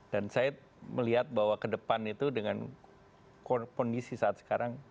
dan saya melihat bahwa ke depan itu dengan kondisi saat sekarang